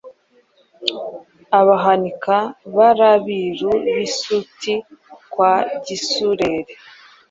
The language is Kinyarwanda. Abahanika: Bari Abiru b’I Suti kwa Gisurere,